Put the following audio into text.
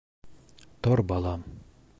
Тор, балам.